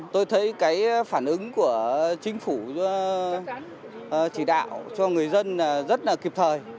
tôi thấy cái phản ứng của chính phủ chỉ đạo cho người dân rất là kịp thời